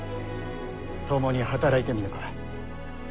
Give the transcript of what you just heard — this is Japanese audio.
共に働いてみぬか？